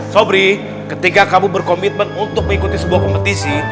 sobri ketika kamu berkomitmen untuk mengikuti sebuah kompetisi